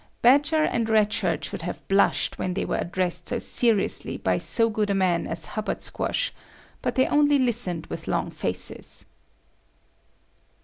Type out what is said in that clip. Badger and Red Shirt should have blushed when they were addressed so seriously by so good a man as Hubbard Squash, but they only listened with long faces.